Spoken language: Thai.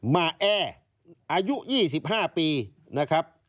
มาแอ้อายุ๒๕ปีนะครับ